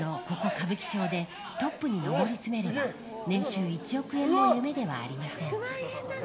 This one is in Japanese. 歌舞伎町でトップに登り詰めれば年収１億円も夢ではありません。